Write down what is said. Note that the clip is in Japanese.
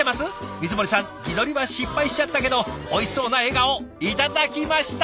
光森さん自撮りは失敗しちゃったけどおいしそうな笑顔頂きました。